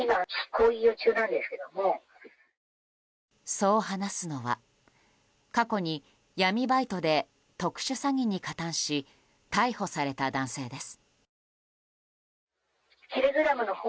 そう話すのは過去に闇バイトで特殊詐欺に加担し逮捕された男性です。